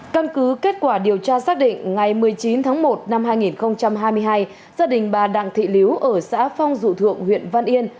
căn cứ kết quả điều tra xác định ngày một mươi chín tháng một năm hai nghìn hai mươi hai gia đình bà đặng thị liễu ở xã phong dụ thượng huyện văn yên